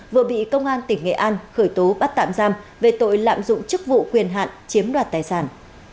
vừa bị công an tỉnh nghệ an khởi tố bắt tạm giam về tội lạm dụng chức vụ quyền hạn chiếm đoạt tài sản